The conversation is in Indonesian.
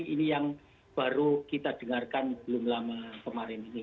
ini yang baru kita dengarkan belum lama kemarin ini